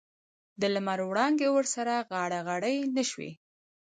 د لمر وړانګې ورسره غاړه غړۍ نه شوې.